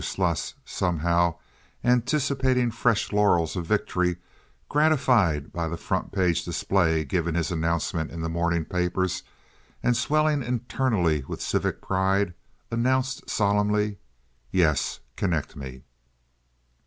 Sluss, somehow anticipating fresh laurels of victory, gratified by the front page display given his announcement in the morning papers, and swelling internally with civic pride, announced, solemnly: "Yes; connect me."